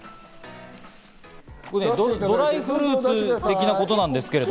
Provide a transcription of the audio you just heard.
ドライフルーツ的なことなんですけど。